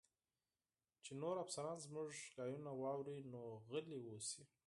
چې نور افسران زموږ خبرې واوري، نو غلي اوسئ.